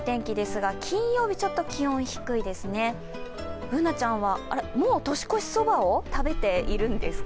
Ｂｏｏｎａちゃんは、もう年越しそばを食べているんですか？